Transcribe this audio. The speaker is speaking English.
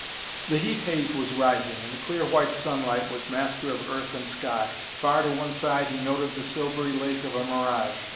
The heat haze was rising, and the clear white sunlight was master of earth and sky. Far to one side he noted the silvery lake of a mirage.